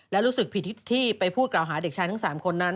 และรู้สึกผิดที่ไปพูดกล่าวหาเด็กชายทั้ง๓คนนั้น